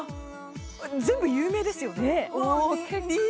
全部、有名ですよね。